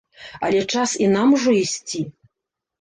Але час і нам ужо ісці!